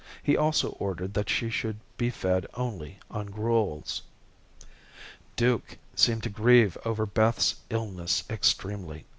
He also ordered that she should be fed only on gruels. Duke seemed to grieve over Beth's illness extremely.